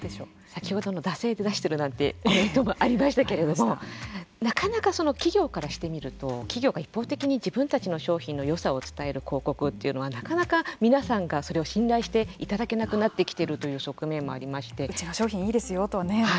先ほどの惰性で出しているなんてことばもありましたけれどもなかなか企業からしてみると企業が一方的に自分たちの商品のよさを伝える広告というのはなかなか皆さんがそれを信頼していただけなくなってきているといううちの商品いいですよね